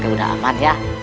kita sudah aman